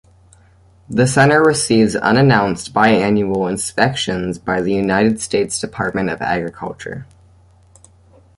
The center receives unannounced bi-annual inspections by the United States Department of Agriculture.